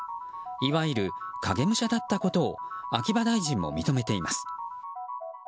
いわゆる影武者だったことを秋葉大臣も認めています。